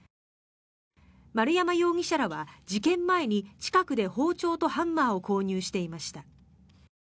丸山容疑者らは、事件前に近くで包丁とハンマーを購入していました。